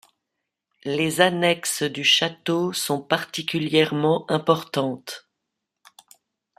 Les annexes du château sont particulièrement importantes.